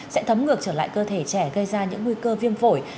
sẽ thấm ngược trở lại cơ thể trẻ gây ra những nguy cơ viêm phổi